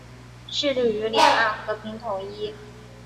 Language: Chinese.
致力于两岸和平统一。